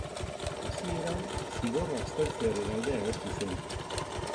Hasieran, zigorra aztertzearen alde agertu zen.